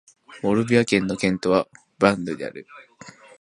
モルビアン県の県都はヴァンヌである